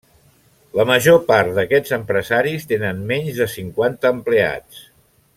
La major part d'aquests empresaris tenen menys de cinquanta empleats.